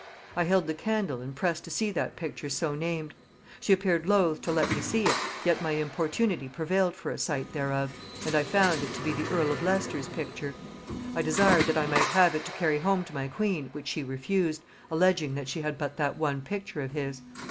I held the candle, and pressed to see that picture so named; she appeared loath to let me see it, yet my importunity prevailed for a sight thereof, and I found it to be the earl of Leicester's picture. I desired that I might have it to carry home to my queen, which she refused, alleging that she had but that one picture of his.